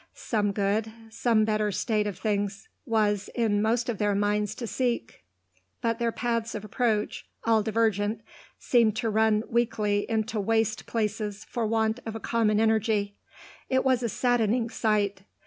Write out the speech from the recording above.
Some good, some better state of things, was in most of their minds to seek; but their paths of approach, all divergent, seemed to run weakly into waste places for want of a common energy. It was a saddening sight.